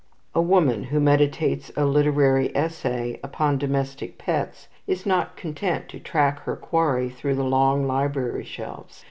A woman who meditates a "literary essay" upon domestic pets is not content to track her quarry through the long library shelves.